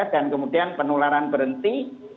dan kemudian penularan berhenti